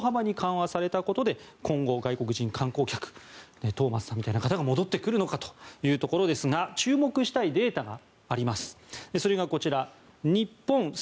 そして、昨日水際対策が大幅に緩和されたことで今後、外国人観光客トーマスさんみたいな方が戻ってくるのかというところですが注目したいデータがあります。